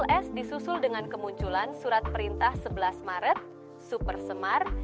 g tiga puluh s disusul dengan kemunculan surat perintah sebelas maret super semar